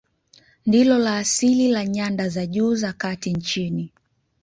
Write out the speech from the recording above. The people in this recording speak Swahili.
Ndilo la asili la nyanda za juu za kati nchini.